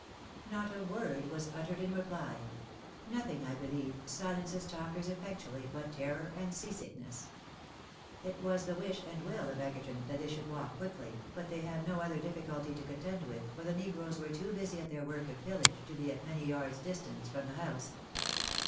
'Not a word was uttered in reply ; nothing, I believe, silences talkers effectually but terror and sea sickness. It was the wish and will of Egerton that they should walk quickly, but they had no other difficulty to contend with, for the negroes were too busy at their work of pillage to be at many yards' distance from the house.